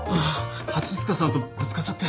蜂須賀さんとぶつかっちゃって。